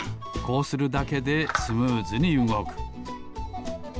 こうするだけでスムーズにうごく。